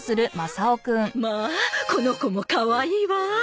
まあこの子もかわいいわ。